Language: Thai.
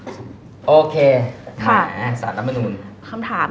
สารรัฐมนุน